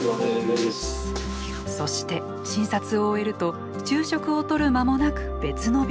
そして診察を終えると昼食をとる間もなく別の病院へ。